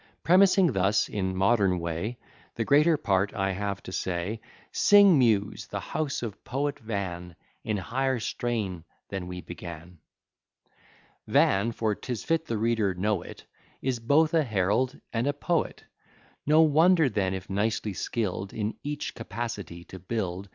Premising thus, in modern way, The greater part I have to say; Sing, Muse, the house of Poet Van, In higher strain than we began. Van (for 'tis fit the reader know it) Is both a Herald and a Poet; No wonder then if nicely skill'd In each capacity to build.